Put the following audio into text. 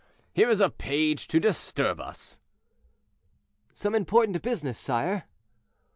here is a page to disturb us." "Some important business, sire?"